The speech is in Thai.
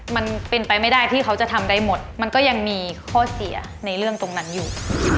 มันเป็นไปไม่ได้ที่เขาจะทำได้หมดมันก็ยังมีข้อเสียในเรื่องตรงนั้นอยู่